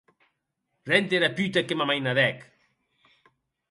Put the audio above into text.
Rend era puta que m'amainadèc!